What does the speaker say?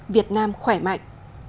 việt nam khỏe mạnh